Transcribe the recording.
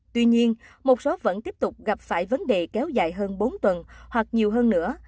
tuy nhiên một số vẫn tiếp tục gặp phải vấn đề kéo dài hơn bốn tuần hoặc nhiều hơn nữa